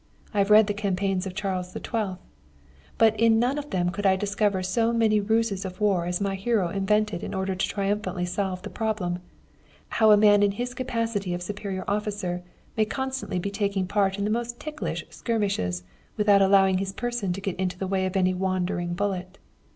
I have read the campaigns of Charles XII., but in none of them could I discover so many ruses of war as my hero invented in order to triumphantly solve the problem how a man in his capacity of superior officer may constantly be taking part in the most ticklish skirmishes without allowing his person to get into the way of any wandering bullet.